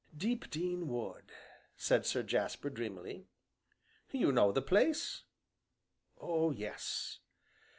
"Deepdene Wood," said Sir Jasper dreamily. "You know the place?" "Oh, yes!"